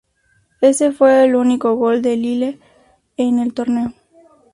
Ese fue el único gol de Lille en el torneo.